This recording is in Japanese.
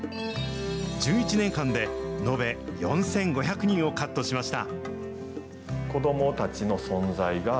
１１年間で延べ４５００人をカットしました。